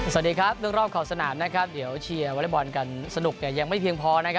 สวัสดีครับเรื่องรอบขอบสนามนะครับเดี๋ยวเชียร์วอเล็กบอลกันสนุกเนี่ยยังไม่เพียงพอนะครับ